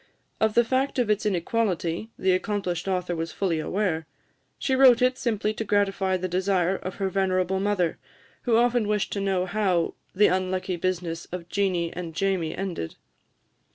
Of the fact of its inequality, the accomplished author was fully aware: she wrote it simply to gratify the desire of her venerable mother, who often wished to know how "the unlucky business of Jeanie and Jamie ended."